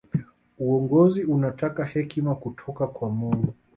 uongozi unataka hekima kutoka kwa mungu